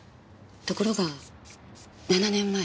ところが７年前。